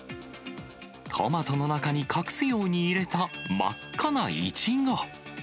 トマトの中に隠すように入れた真っ赤なイチゴ。